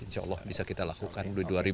insya allah bisa kita lakukan dua ribu dua puluh